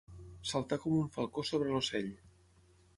Saltar com un falcó sobre l'ocell.